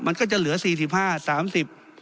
มันก็จะเหลือ๔๕บาท๓๐บาท